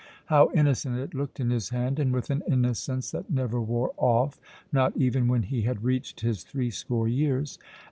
How innocent it looked in his hand, and with an innocence that never wore off, not even when he had reached his threescore years.